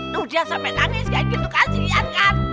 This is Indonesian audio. tuh dia sampai nangis ga ingin dikasih kan